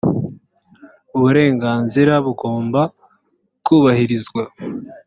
uburenganzira bugomba kubahirizwa.